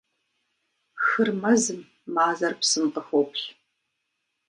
Хыр мэзым, мазэр псым къыхоплъ.